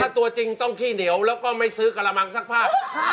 ถ้าตัวจริงต้องขี้เหนียวแล้วก็ไม่ซื้อกระมังซักผ้า